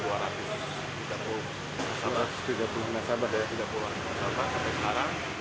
satu ratus tiga puluh nasabah dari tiga puluh orang nasabah sampai sekarang